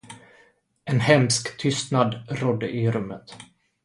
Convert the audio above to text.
En hemsk tystnad rådde i rummet.